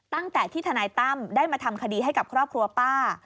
ตั้งแต่ที่ทนายตั้มได้มาทำคดีให้กับครอบครัวป้า